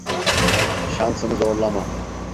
Şansını zorlama.